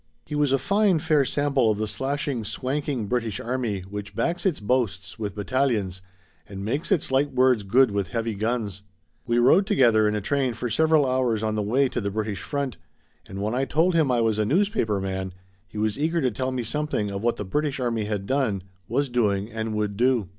He was a fine, fair sample of the slashing, swanking British army which backs its boasts with battalions and makes its light words good with heavy guns. We rode together in a train for several hours on the way to the British front and when I told him I was a newspaper man he was eager to tell me something of what the British army had done, was doing and would do.